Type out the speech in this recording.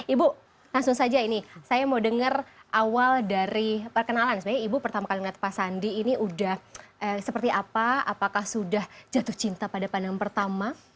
ibu langsung saja ini saya mau dengar awal dari perkenalan sebenarnya ibu pertama kali melihat pak sandi ini sudah seperti apa apakah sudah jatuh cinta pada pandangan pertama